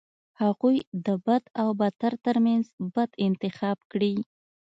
هغوی د بد او بدتر ترمنځ بد انتخاب کړي.